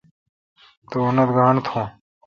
تو اونتھ گاݨڈ تھون۔